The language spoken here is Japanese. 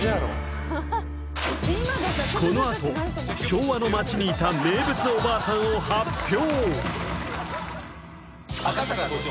このあと昭和の町にいた名物おばあさんを発表！